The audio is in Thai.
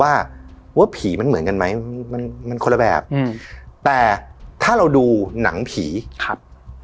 ว่าว่าผีมันเหมือนกันไหมมันมันคนละแบบอืมแต่ถ้าเราดูหนังผีครับ